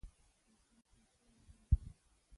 او ښايست مثال وګرځوو.